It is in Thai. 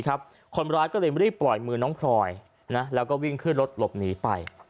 คนร้ายก็เลยรีบปล่อยมือน้องพลอยแล้วก็วิ่งขึ้นรถหลบหนีไป